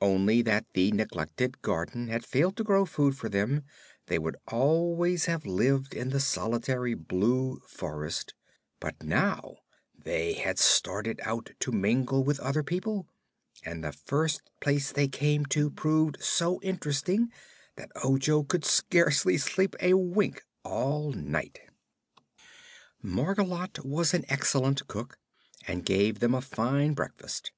Only that the neglected garden had failed to grow food for them, they would always have lived in the solitary Blue Forest; but now they had started out to mingle with other people, and the first place they came to proved so interesting that Ojo could scarcely sleep a wink all night. Margolotte was an excellent cook and gave them a fine breakfast.